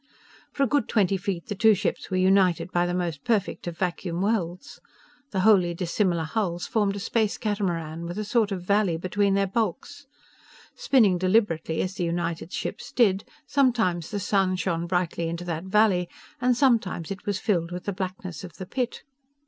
For a good twenty feet the two ships were united by the most perfect of vacuum welds. The wholly dissimilar hulls formed a space catamaran, with a sort of valley between their bulks. Spinning deliberately, as the united ships did, sometimes the sun shone brightly into that valley, and sometimes it was filled with the blackness of the pit.